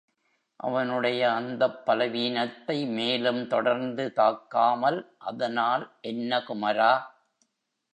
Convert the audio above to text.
அவனுடைய அந்தப் பலவீனத்தை மேலும் தொடர்ந்து தாக்காமல், அதனால் என்ன குமரா?